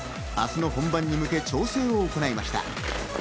明日の本番に向け調整を行いました。